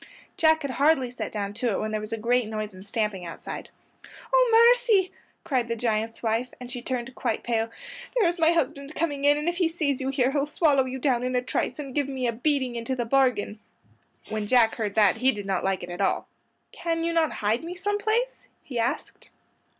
Jack had hardly set down to it when there was a great noise and stamping outside. "Oh, mercy!" cried the giant's wife, and she turned quite pale. "There's my husband coming in, and if he sees you here he'll swallow you down in a trice, and give me a beating into the bargain." When Jack heard that he did not like it at all. "Can you not hide me some place?" he asked.